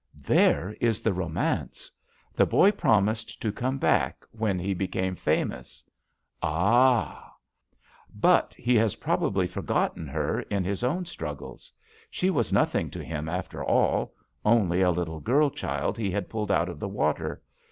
"There is the romance. The boy promised to come back when he became famous —" "Ah I" "But he has probably forgotten her, in his own struggles. She was nothing to him, after all ; only a little girl child he had pulled out of the water.